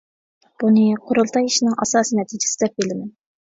بۇنى قۇرۇلتاي ئىشىنىڭ ئاساسىي نەتىجىسى دەپ بىلىمەن.